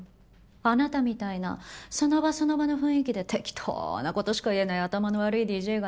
あなたみたいなその場その場の雰囲気で適当な事しか言えない頭の悪いＤＪがね。